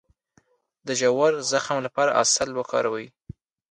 د ژور زخم لپاره عسل وکاروئ